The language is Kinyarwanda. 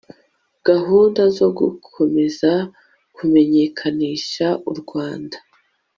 gahunda zo gukomeza kumenyekanisha u rwanda